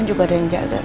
juga ada yang jaga